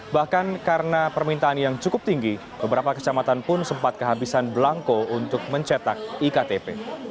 bahkan karena permintaan yang cukup tinggi beberapa kecamatan pun sempat kehabisan belangko untuk mencetak iktp